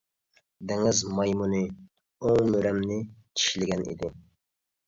دېڭىز مايمۇنى ئوڭ مۈرەمنى چىشلىگەن ئىدى.